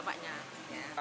siapa yang tanya bapaknya